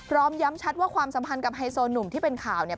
พร้อมย้ำชัดว่าความสัมพันธ์กับไฮโซหนุ่มที่เป็นข่าวเนี่ย